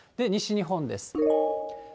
西日本です。